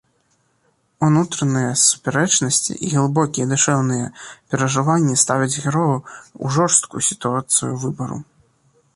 Унутраныя супярэчнасці і глыбокія душэўныя перажыванні ставяць герояў у жорсткую сітуацыю выбару.